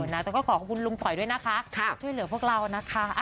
แต่ก็ขอขอบคุณลุงต่อยด้วยนะคะช่วยเหลือพวกเรานะคะ